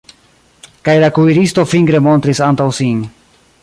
Kaj la kuiristo fingre montris antaŭ sin.